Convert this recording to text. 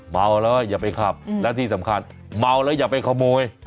เมาแล้วอย่าไปขับและที่สำคัญเมาแล้วอย่าไปขโมย